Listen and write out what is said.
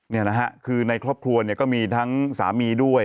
นี่นะฮะคือในครอบครัวเนี่ยก็มีทั้งสามีด้วย